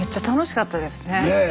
ねえ！